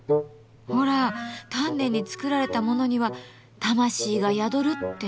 ほら丹念に作られたものには魂が宿るってよく言うでしょ。